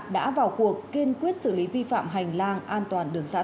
đã vào cuộc kiên quyết xử lý vi phạm hành lang an toàn đường dã